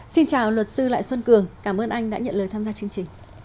xin chào luật sư lại xuân cường cảm ơn anh đã nhận lời tham gia chương trình